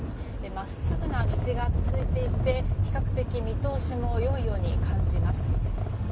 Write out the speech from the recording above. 真っすぐな道が続いていて比較的、見通しも良いように感じます。